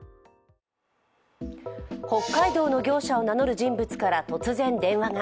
北海道の業者を名乗る人物から突然電話が。